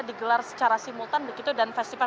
digelar secara simultan begitu dan festival